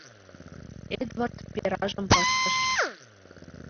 Эдвард перажым пыштыш.